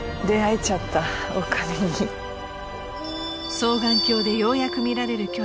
［双眼鏡でようやく見られる距離］